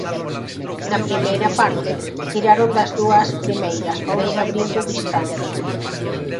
Na primeira parte tiraron das dúas primeiras para ir abrindo distancia.